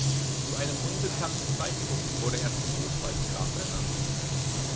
Zu einem unbekannten Zeitpunkt wurde er zum Hofpfalzgraf ernannt.